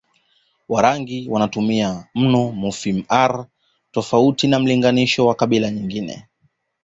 Warangi wanatumia mno fonimu r tofauti na mlinganisho wa kabila nyingine